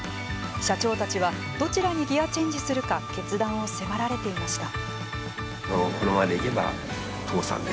社長たちはどちらにギアチェンジするか決断を迫られていました。